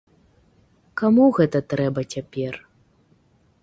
Каму гэта трэба цяпер?